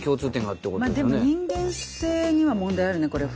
まあでも人間性には問題あるねこれ。